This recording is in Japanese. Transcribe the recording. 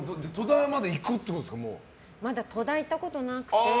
まだ戸田は行ったことがなくて。